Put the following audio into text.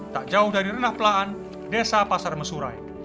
tak jauh dari renah pelaan desa pasar mesurai